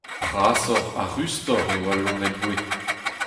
Brasoc'h ha rustoc'h eo al loened gouez.